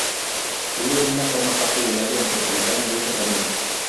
Río Linda forma parte del área metropolitana de Sacramento.